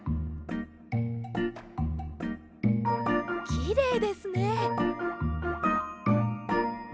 きれいですね。